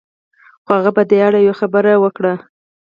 خو هغه په دې اړه يوه بله خبره وکړه.